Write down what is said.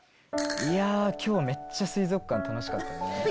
いや今日めっちゃ水族館楽しかったね。